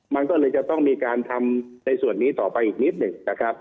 มันก็เลยจะต้องมีการทำในส่วนนี้ต่อไปอีกนิดหนึ่งนะครับ